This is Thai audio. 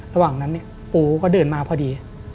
ระหว่างนั้นปูก็เดินมาพอดี